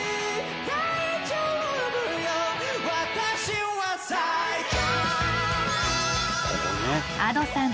「大丈夫よ私は最強」